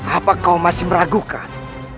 apa kau masih meragukan